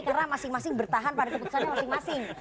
karena masing masing bertahan pada keputusannya masing masing